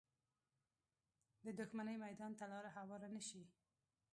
د دښمنۍ میدان ته لاره هواره نه شي